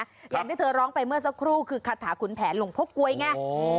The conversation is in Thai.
อย่างที่เธอร้องไปเมื่อสักครู่คือคาถาขุนแผนหลวงพ่อกลวยไง